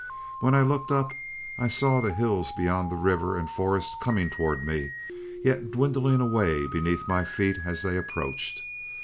When I looked up I saw the hills beyond the river and forest coming towards me, yet dwindling away beneath my feet as they approached.